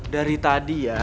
dari tadi ya